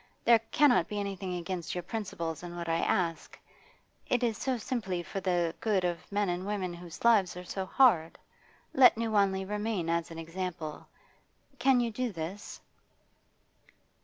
There cannot be anything against your principles in what I ask. It is so simply for the good of men and women whose lives are so hard. Let New Wanley remain as an example. Can you do this?